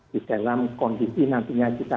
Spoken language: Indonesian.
di dalam kondisi nantinya kita